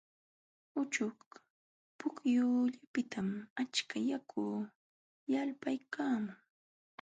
Uchuk pukyullapiqtam achka yaku yalqaykaamun.